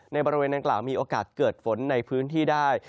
บริเวณดังกล่าวมีโอกาสเกิดฝนในพื้นที่ได้